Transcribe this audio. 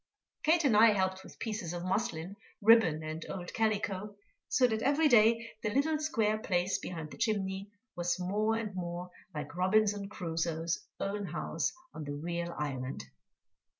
Kate and I helped with pieces of muslin, ribbon, and old calico, so that every day the little square place behind the chimney was more and more like Robinson Crusoe's own house on the real island.